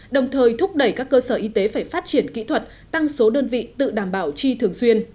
đồng thời thúc đẩy các cơ sở y tế phải phát triển kỹ thuật tăng số đơn vị tự đảm bảo chi thường xuyên